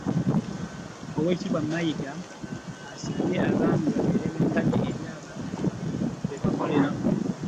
Oweeekitiibwa Mayiga abasabye babeere benkanya eri abantu bonna be bakoleramu.